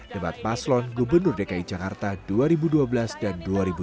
debat paslon gubernur dki jakarta dua ribu dua belas dan dua ribu dua puluh